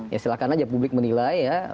ya silahkan aja publik menilai ya